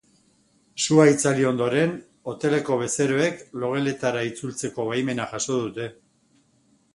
Sua itzali ondoren, hoteleko bezeroek logeletara itzultzeko baimena jaso dute.